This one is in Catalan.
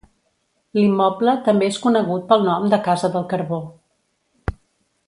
L'immoble també és conegut pel nom de Casa del Carbó.